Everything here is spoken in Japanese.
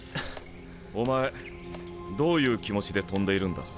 お前どういう気持ちで跳んでいるんだ。